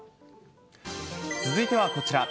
続いてはこちら。